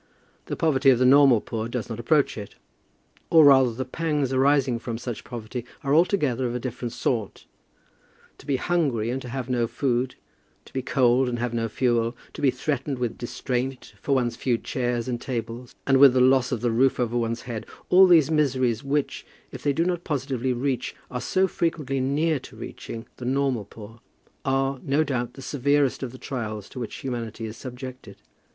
The poverty of the normal poor does not approach it; or, rather, the pangs arising from such poverty are altogether of a different sort. To be hungry and have no food, to be cold and have no fuel, to be threatened with distraint for one's few chairs and tables, and with the loss of the roof over one's head, all these miseries, which, if they do not positively reach, are so frequently near to reaching the normal poor, are, no doubt, the severest of the trials to which humanity is subjected.